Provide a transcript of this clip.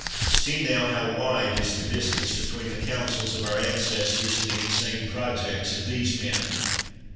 See, now, how wide is the distance between the counsels of our ancestors and the insane projects of these men.